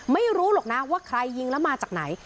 ไม่รู้หรอกนะว่าใครยิงแล้วมาจากไหน